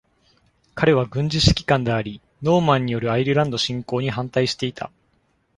彼は軍事指揮官であり、ノーマンによるアイルランド侵攻に反対していた。